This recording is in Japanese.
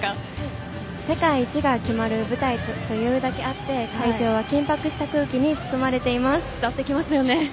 世界一が決まる舞台というだけあって会場は伝わってきますよね。